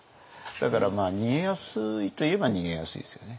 だから逃げやすいといえば逃げやすいですよね。